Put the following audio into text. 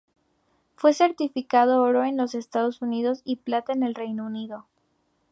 Fue certificado Oro en los Estados Unidos y Plata en el Reino Unido.